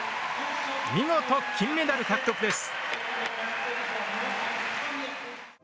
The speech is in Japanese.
見事金メダル獲得です。